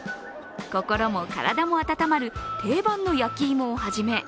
心も体も温まる定番の焼き芋をはじめ